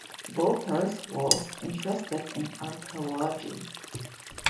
Volters was interested in archaeology.